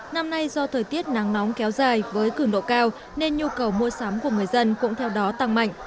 năm nay do thời tiết nắng nóng kéo dài với cường độ cao nên nhu cầu mua sắm của người dân cũng theo đó tăng mạnh